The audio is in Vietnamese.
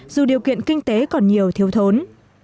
dù điều kiện kinh tế còn nhiều thiếu thốn